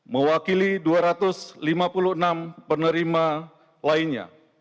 mewakili dua ratus lima puluh enam penerima lainnya